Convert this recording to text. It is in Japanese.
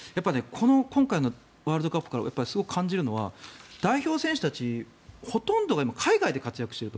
今回のワールドカップから感じるのは代表選手たちのほとんどが今、海外で活躍していると。